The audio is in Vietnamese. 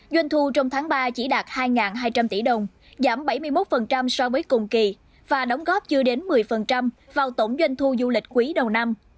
doanh thu trong tháng ba chỉ đạt hai hai trăm linh tỷ đồng giảm bảy mươi một so với cùng kỳ và đóng góp chưa đến một mươi vào tổng doanh thu du lịch quý đầu năm